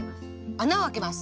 穴をあけます。